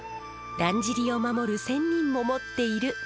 だんじりを守る仙人も持っているモモ。